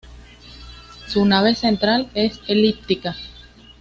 Su nave central es elíptica.